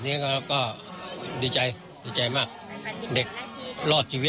ต้องดูแลตัวเองนะลูกนะต้องเอาตัวรอดให้ได้